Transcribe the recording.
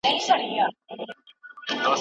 په نه خبره ژاړمه